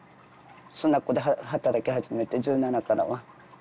スナックで働き始めて１７からは。